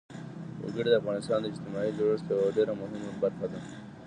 وګړي د افغانستان د اجتماعي جوړښت یوه ډېره مهمه برخه ده.